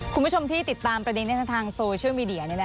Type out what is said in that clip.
คุณผู้ชมที่ติดตามประเด็นนี้ทางโซเชียลมีเดีย